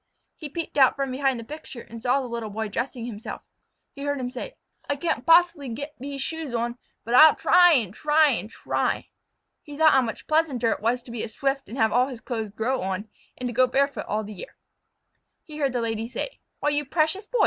He peeped out from behind the picture and saw the Little Boy dress himself. He heard him say: "I can't poss'bly get vese shoes on, but I'll try and try and try." He thought how much pleasanter it was to be a Swift and have all his clothes grow on, and to go barefoot all the year. He heard the Lady say: "Why, you precious Boy!